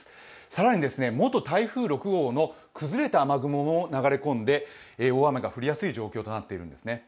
更に元台風６号の崩れた雨雲も流れ込んで大雨が降りやすい状況となっているんですね。